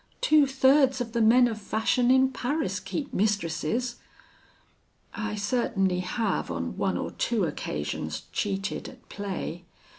Two thirds of the men of fashion in Paris keep mistresses. "'I certainly have on one or two occasions cheated at play.